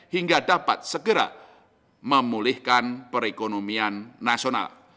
hingga dapat segera memulihkan perekonomian nasional